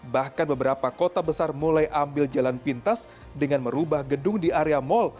bahkan beberapa kota besar mulai ambil jalan pintas dengan merubah gedung di area mal